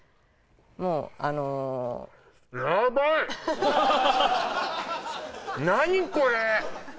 もうあの何これ！